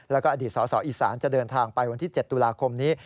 แล้วก็อดีตสสอีสานจะเดินทางไปวันที่๗ตุลาคมนี้